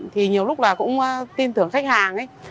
thì nhiều lúc là cũng tin tưởng khách hàng ấy